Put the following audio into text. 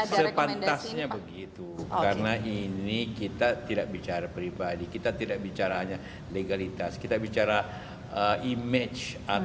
sepantasnya begitu karena ini kita tidak bicara pribadi kita tidak bicara hanya legalitas kita bicara image